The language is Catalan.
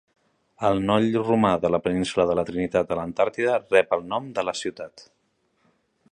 El Knoll romà de la Península de la Trinitat a l'Antàrtida rep el nom de la ciutat.